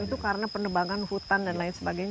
itu karena penebangan hutan dan lain sebagainya